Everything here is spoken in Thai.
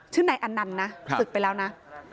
ชื่อไหนอันนันนะศึกไปแล้วนะ